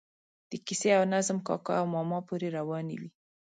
د کیسې او نظم کاکا او ماما پورې روانې وي.